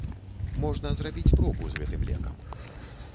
Можна зрабіць пробу з гэтым лекам.